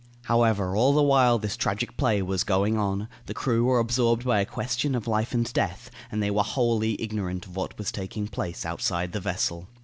However, all the while this tragic play was going on, the crew were absorbed by a question of life and death, and they were wholly ignorant of what was taking place outside the vessel.